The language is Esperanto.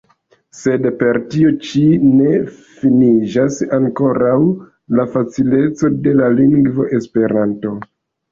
Sed per tio ĉi ne finiĝas ankoraŭ la facileco de la lingvo Esperanto.